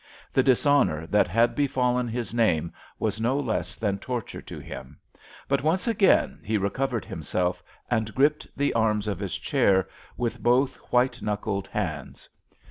The dishonour that had befallen his name was no less than torture to him, but once again he recovered himself, and gripped the arms of his chair with both white knuckled hands.